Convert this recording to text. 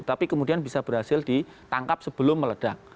tapi kemudian bisa berhasil ditangkap sebelum meledak